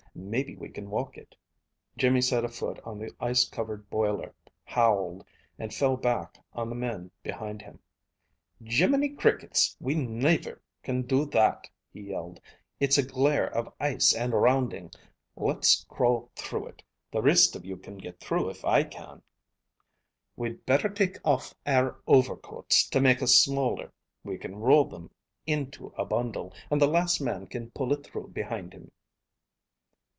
Maybe we can walk it." Jimmy set a foot on the ice covered boiler, howled, and fell back on the men behind him. "Jimminy crickets, we niver can do that!" he yelled. "It's a glare of ice and roundin'. Let's crawl through it! The rist of you can get through if I can. We'd better take off our overcoats, to make us smaller. We can roll thim into a bundle, and the last man can pull it through behind him."